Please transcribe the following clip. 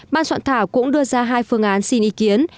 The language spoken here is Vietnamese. ban soạn thảo cũng đưa ra hai phương án xin ý kiến